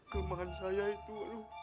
kelemahan saya itu